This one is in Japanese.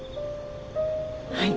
はい。